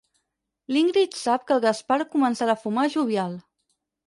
L'Ingrid sap que el Gaspar començarà a fumar jovial.